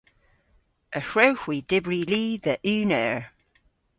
Y hwrewgh hwi dybri li dhe unn eur.